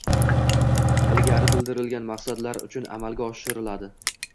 ilgari bildirilgan maqsadlar uchun amalga oshiriladi.